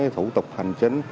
thủ tục hành chính